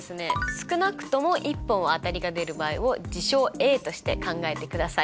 少なくとも１本は当たりが出る場合を事象Ａとして考えてください。